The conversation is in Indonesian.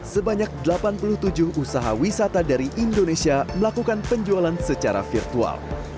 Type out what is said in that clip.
sebanyak delapan puluh tujuh usaha wisata dari indonesia melakukan penjualan secara virtual